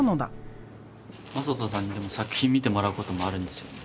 まさとさんに作品見てもらうこともあるんですよね？